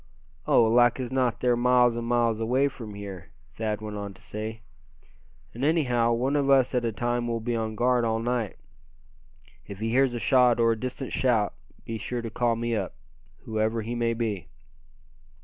"Oh! like as not they're miles and miles away from here," Thad went on to say. "And anyhow, one of us at a time will be on guard all night. If he hears a shot or a distant shout be sure to call me up, whoever he may be."